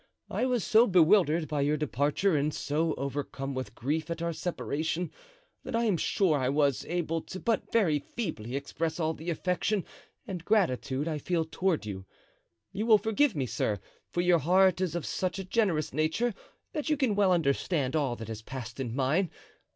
I was so bewildered by your departure and so overcome with grief at our separation, that I am sure I was able to but very feebly express all the affection and gratitude I feel toward you. You will forgive me, sir, for your heart is of such a generous nature that you can well understand all that has passed in mine.